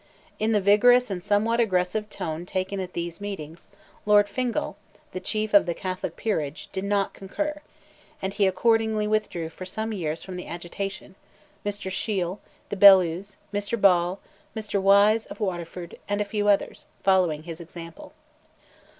In the vigorous and somewhat aggressive tone taken at these meetings, Lord Fingal, the chief of the Catholic peerage, did not concur, and he accordingly withdrew for some years from the agitation, Mr. Shiel, the Bellews, Mr. Ball, Mr. Wyse of Waterford, and a few others, following his example.